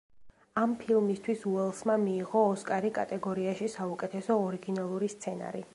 ამ ფილმისთვის უელსმა მიიღო ოსკარი კატეგორიაში საუკეთესო ორიგინალური სცენარი.